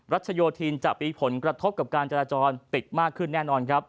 รัชยโยธินว์จะมีผลกระทบกับการจะจ้อนติดมากขึ้นแน่นอน